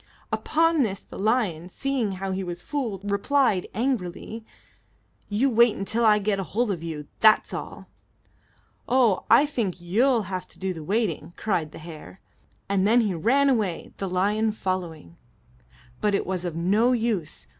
Upon this the lion, seeing how he had been fooled, replied angrily, "You wait until I get hold of you; that's all." "Oh, I think you'll have to do the waiting," cried the hare; and then he ran away, the lion following. But it was of no use.